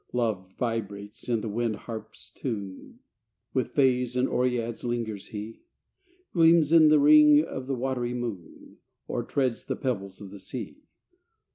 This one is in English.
Love vibrates in the wind harp s tune With fays and oreads lingers he Gleams in th ring of the watery moon, Or treads the pebbles of the sea.